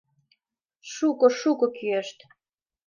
— Шуко-шуко кӱэшт.